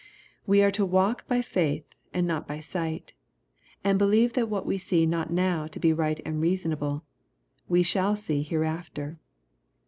We are to walk by faith and not by sight, and believe that what we see not now to be right and reasonable, we shall see hereafter.